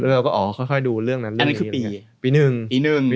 แล้วเราก็อ๋อค่อยดูเรื่องนั้นเรื่องนี้